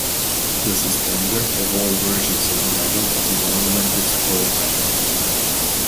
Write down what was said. The suspender of all versions of the medal is an ornamented scroll pattern.